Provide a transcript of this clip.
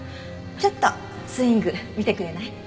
ちょっとスイング見てくれない？